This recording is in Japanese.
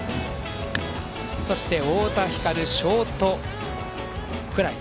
そして、太田光、ショートフライ。